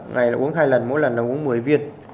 ngày là uống hai lần mỗi lần là uống một mươi viên